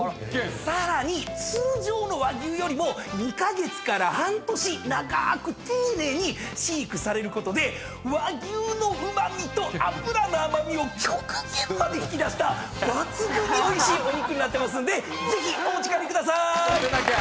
さらに通常の和牛よりも２カ月から半年長ーく丁寧に飼育されることで和牛のうま味と脂の甘味を極限まで引き出した抜群においしいお肉になってますんでぜひお持ち帰りくださーい！